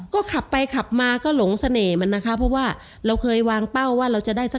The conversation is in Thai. ก็ขับไปขับมาก็หลงเสน่ห์มันนะคะเพราะว่าเราเคยวางเป้าว่าเราจะได้สัก